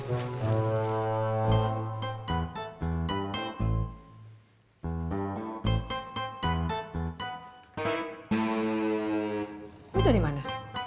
itu dari mana